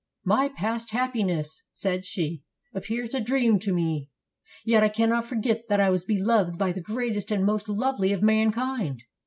"My past happiness," said she, "appears a dream to me. Yet I cannot forget that I was beloved by the greatest and most lovely of mankind.